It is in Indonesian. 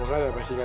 maka udah basi kan